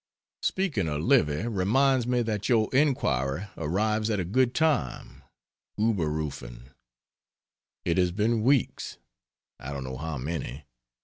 Speaking of Livy reminds me that your inquiry arrives at a good time (unberufen) It has been weeks (I don't know how many!)